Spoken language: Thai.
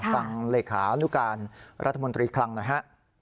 ฟังเหลขานุการรัฐมนตรีครั้งนะฮะ